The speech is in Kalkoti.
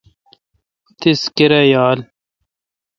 تیس کیرایال؟